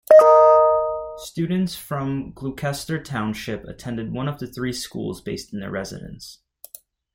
Students from Gloucester Township attend one of the three schools based on their residence.